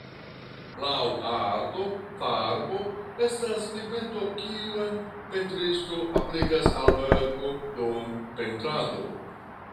Laŭ arto, farbo estas pigmento kiun pentristo aplikas al verko dum pentrado.